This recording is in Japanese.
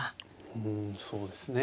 うんそうですね。